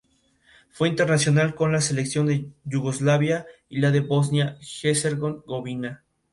Fue internacional con la selección de Yugoslavia y la de Bosnia-Herzegovina.